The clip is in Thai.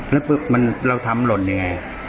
แล้วปุ๊บเราทำหล่นยังไง